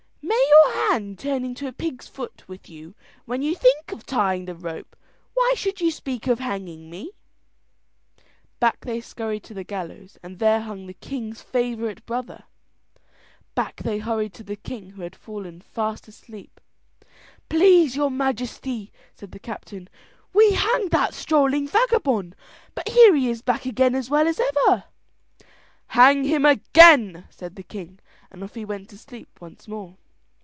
"May your hand turn into a pig's foot with you when you think of tying the rope; why should you speak of hanging me?" Back they scurried to the gallows, and there hung the king's favourite brother. Back they hurried to the king who had fallen fast asleep. "Please your Majesty," said the captain, "we hanged that strolling vagabond, but here he is back again as well as ever." "Hang him again," said the king, and off he went to sleep once more.